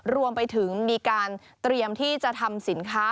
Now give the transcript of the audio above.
รวมไปถึงมีการเตรียมที่จะทำสินค้า